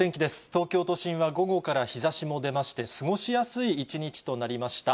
東京都心は午後から日ざしも出まして、過ごしやすい一日となりました。